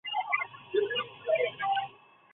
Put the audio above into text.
全镇面积。